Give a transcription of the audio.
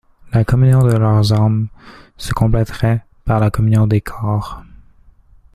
La communion de leurs âmes se compléterait par la communion des corps.